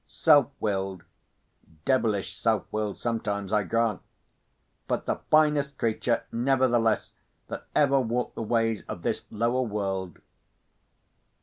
Self willed—devilish self willed sometimes—I grant; but the finest creature, nevertheless, that ever walked the ways of this lower world.